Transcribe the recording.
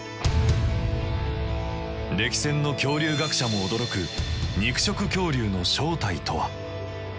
歴戦の恐竜学者も驚く肉食恐竜の正体とは。